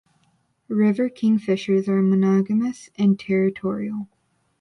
River kingfishers are monogamous and territorial.